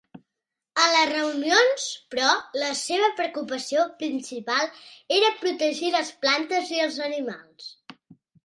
A les reunions, però, la seva preocupació principal era protegir les plantes i els animals.